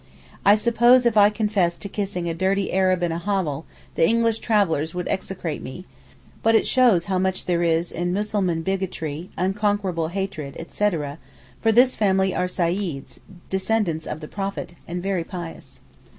I suppose if I confessed to kissing a 'dirty Arab' in a 'hovel' the English travellers would execrate me; but it shows how much there is in 'Mussulman bigotry, unconquerable hatred, etc.,' for this family are Seyyids (descendents of the Prophet) and very pious.